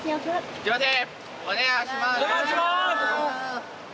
お願いします。